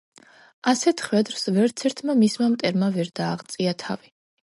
ასეთ ხვედრს ვერც ერთმა მისმა მტერმა ვერ დააღწია თავი.